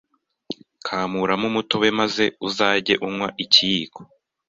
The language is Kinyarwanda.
Kamuramo umutobe maze uzajye unywa ikiyiko